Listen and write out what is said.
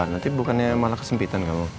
nanti bukannya malah kesempitan kamu